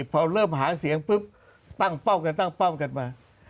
พอเริ่มหาเสียงปุ๊บตั้งเป้าะกันมา